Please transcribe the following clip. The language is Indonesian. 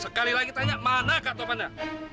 sekali lagi tanya mana kak topannya